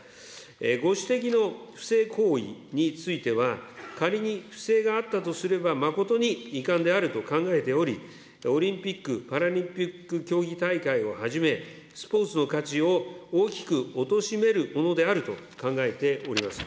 ご指摘の不正行為については、仮に不正があったとすれば、誠に遺憾であると考えており、オリンピック・パラリンピック競技大会をはじめ、スポーツの価値を大きくおとしめるものであると考えております。